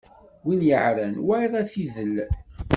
Win yeɛran, wayeḍ ad t-idel.